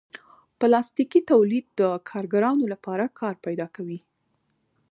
پلاستيکي تولید د کارګرانو لپاره کار پیدا کوي.